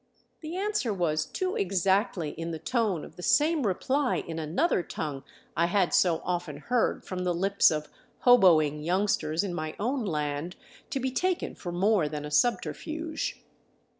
The answer was too exactly in the tone of the same reply in another tongue I had so often heard from the lips of " hoboing " youngsters in my own land to be taken for more than a subterfuge.